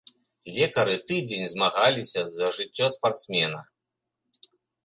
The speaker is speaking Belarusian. Лекары тыдзень змагаліся за жыццё спартсмена.